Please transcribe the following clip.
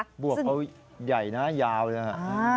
บวกเขาใหญ่นะยาวเลยฮะ